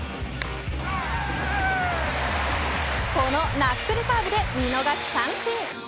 このナックルカーブで見逃し三振。